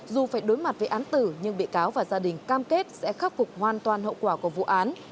dù phải đối mặt với án tử nhưng bị cáo và gia đình cam kết sẽ khắc phục hoàn toàn hậu quả của vụ án